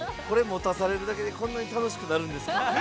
これを持たされるだけでこんなに楽しくなるんですか。